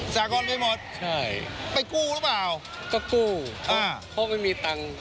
สากรไปหมดใช่ไปกู้หรือเปล่าก็กู้อ่าเพราะไม่มีตังค์